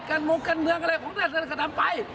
มงการเมืองอะไรของท่านก็ทำไป